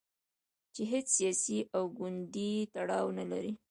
چې هیڅ سیاسي او ګوندي تړاو نه لري.